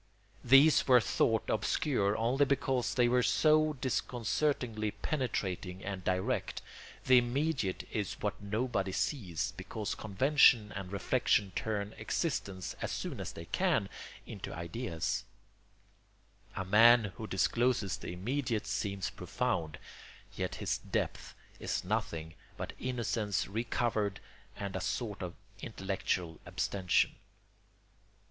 These were thought obscure only because they were so disconcertingly penetrating and direct. The immediate is what nobody sees, because convention and reflection turn existence, as soon as they can, into ideas; a man who discloses the immediate seems profound, yet his depth is nothing but innocence recovered and a sort of intellectual abstention.